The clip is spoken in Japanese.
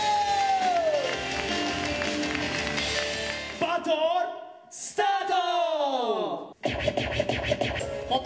バトルスタート。